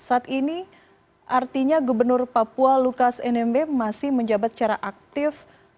saat ini artinya gubernur papua lukas nmb masih menjabat secara aktif